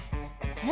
えっ？